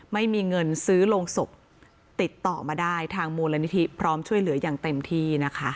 ไม่มีเงินซื้อโรงศพติดต่อมาได้ทางมูลนิธิพร้อมช่วยเหลืออย่างเต็มที่นะคะ